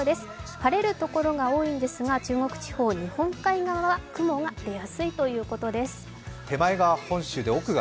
晴れるところが多いんですが中国地方日本海側は雲が出やすいということです。